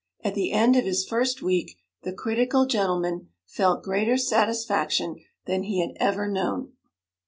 At the end of his first week the critical gentleman felt greater satisfaction than he had ever known.